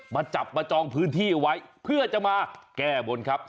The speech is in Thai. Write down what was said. มาจับมาจองพื้นที่เอาไว้เพื่อจะมาแก้บนครับ